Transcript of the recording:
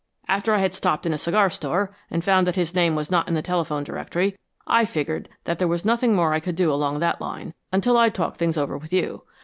After I had stopped in a cigar store, and found that his name was not in the telephone directory, I figured that there was nothing more I could do along that line until I'd talked things over with you.